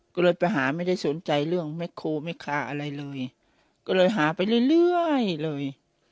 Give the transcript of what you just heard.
ก็เลยไปหาไม่ได้สนใจเรื่องแม็กโคแม่ค้าอะไรเลยก็เลยหาไปเรื่อยเลย